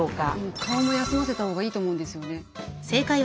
顔も休ませたほうがいいと思うんですよね。